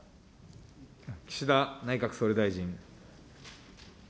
岸田内閣総理大臣。